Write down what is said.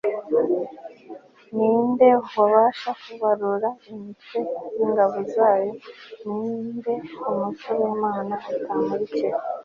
ni nde wabasha kubarura imitwe y'ingabo zayo ? ni nde umucyo w'imana utamurikira